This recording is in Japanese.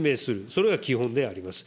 それが基本であります。